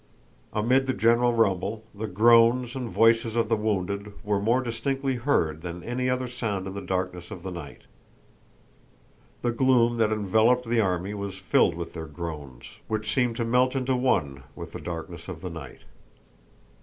Amid the general rumble, the groans and voices of the wounded were more distinctly heard than any other sound in the darkness of the night. The gloom that enveloped the army was filled with their groans, which seemed to melt into one with the darkness of the night.